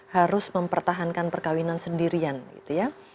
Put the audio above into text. harus mempertahankan perkawinan sendirian gitu ya